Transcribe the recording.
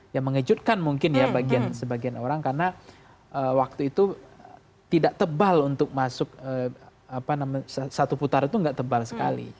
ya mengejutkan mungkin ya bagian sebagian orang karena waktu itu tidak tebal untuk masuk apa namanya satu putaran itu nggak tebal sekali